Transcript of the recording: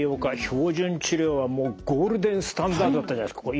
標準治療はもうゴールデンスタンダードだったじゃないですか。